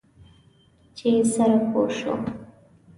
چې سره پوه شو.